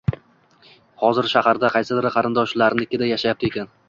Hozir shaharda, qaysidir qarindoshinikida yashayapti ekan.